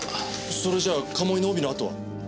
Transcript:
それじゃあ鴨居の帯の跡は？